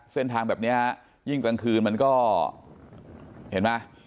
เส้นทางแบบนี้ยิ่งกลางคืนมันก็เห็นไหม